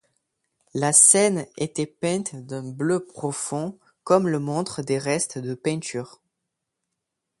La scène était peinte d'un bleu profond, comme le montrent des restes de peinture.